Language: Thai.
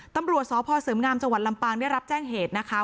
ตำรวจสพเสริมงามจังหวัดลำปางได้รับแจ้งเหตุนะคะ